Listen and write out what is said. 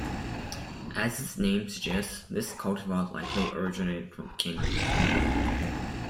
As its name suggests, this cultivar likely originated from Kent, England.